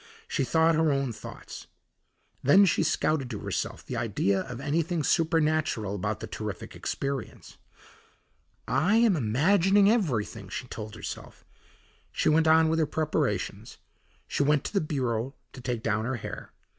She thought her own thoughts. Then she scouted to herself the idea of anything supernatural about the terrific experience. "I am imagining everything," she told herself. She went on with her preparations; she went to the bureau to take down her hair.